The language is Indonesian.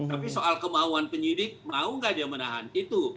tapi soal kemauan penyidik mau nggak dia menahan itu